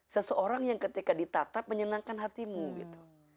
seseorang yang ketika ditatap menyenangkan hatimu gitu